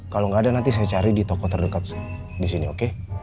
kalau gak ada nanti saya cari di toko terdekat disini oke